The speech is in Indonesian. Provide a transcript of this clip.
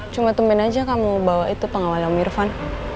cuma tumben aja kamu bawa itu pengawalnya om irfan